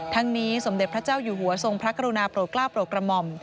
ทั้งนี้สมเด็จพระเจ้าอยู่หัวทรงพระกรุณาโปรดกล้าโปรดกระหม่อม